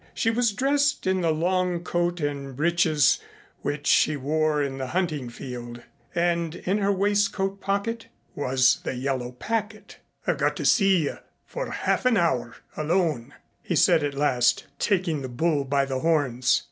She was dressed in the long coat and breeches which she wore in the hunting field, and in her waistcoat pocket was the yellow packet. "I've got to see you for half an hour alone," he said at last, taking the bull by the horns.